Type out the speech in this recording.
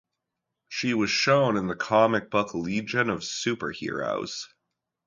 She was shown in the comic book "Legion of Super-Heroes".